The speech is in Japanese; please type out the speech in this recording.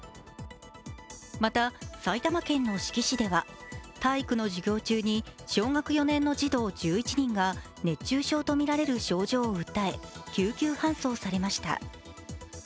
また、埼玉県の志木市では体育の授業中に小学４年の児童１１人が熱中症とみられる症状を訴え、救急搬送されました。